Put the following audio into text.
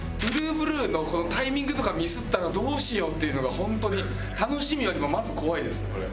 この『ＴＲＵＥＢＬＵＥ』のタイミングとかミスったらどうしようっていうのがホントに楽しみよりもまず怖いですこれ。